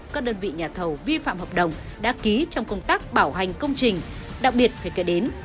các đơn vị nhà thầu vi phạm hợp đồng đã ký trong công tác bảo hành công trình đặc biệt phải kể đến